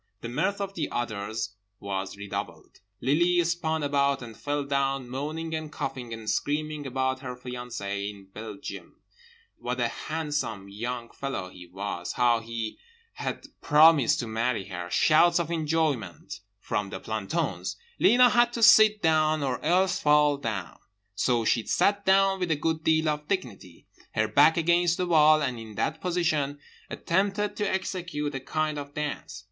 The mirth of the others was redoubled. Lily spun about and fell down, moaning and coughing, and screaming about her fiancée in Belgium: what a handsome young fellow he was, how he had promised to marry her… shouts of enjoyment from the plantons. Lena had to sit down or else fall down, so she sat down with a good deal of dignity, her back against the wall, and in that position attempted to execute a kind of dance.